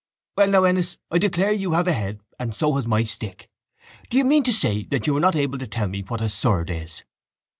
—Well now, Ennis, I declare you have a head and so has my stick! Do you mean to say that you are not able to tell me what a surd is?